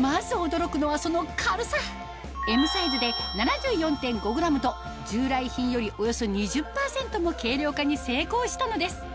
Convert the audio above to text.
まず驚くのはその軽さＭサイズで７４．５ｇと従来品よりおよそ２０％も軽量化に成功したのです